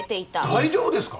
大丈夫ですか？